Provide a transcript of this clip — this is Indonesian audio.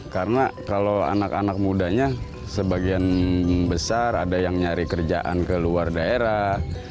karena kalau anak anak mudanya sebagian besar ada yang nyari kerjaan ke luar daerah